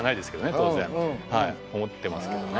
当然はい思ってますけどね。